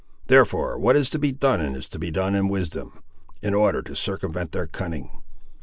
Therefore, what is to be done is to be done in wisdom, in order to circumvent their cunning.